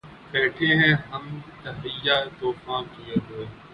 بیٹهے ہیں ہم تہیّہ طوفاں کئے ہوئے